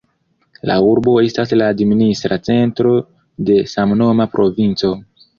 La urbo estas la administra centro de samnoma provinco.